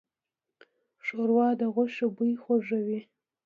ښوروا د غوښې بوی خوږوي.